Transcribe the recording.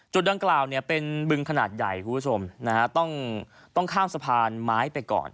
ดังกล่าวเนี่ยเป็นบึงขนาดใหญ่คุณผู้ชมนะฮะต้องข้ามสะพานไม้ไปก่อน